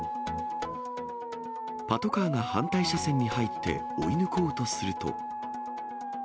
パトカーが反対車線に入って追い抜こうとすると。